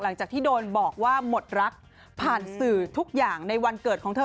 หลังจากที่โดนบอกว่าหมดรักผ่านสื่อทุกอย่างในวันเกิดของเธอ